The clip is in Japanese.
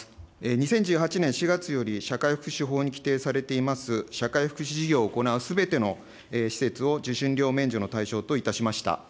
２０１８年４月より、社会福祉法に規定されています、社会福祉事業を行うすべての施設を受信料免除の対象といたしました。